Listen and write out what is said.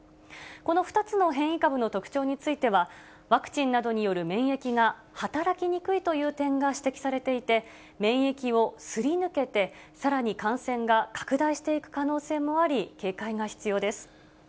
この２つの変異株の特徴については、ワクチンなどによる免疫が働きにくいという点が指摘されていて、免疫をすり抜けて、さらに感染が拡大していく可能性もあり、警戒が必要です。